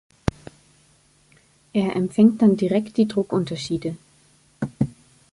Er empfängt dann direkt die Druckunterschiede.